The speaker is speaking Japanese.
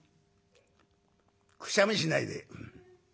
くしゃみしないで。